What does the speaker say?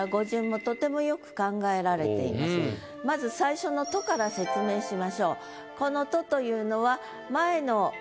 まず最初の「と」から説明しましょう。